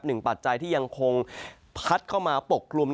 ปัจจัยที่ยังคงพัดเข้ามาปกกลุ่ม